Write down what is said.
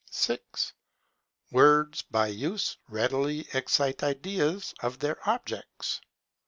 6. Words by Use readily excite Ideas of their objects.